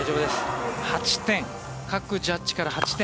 各ジャッジから８点。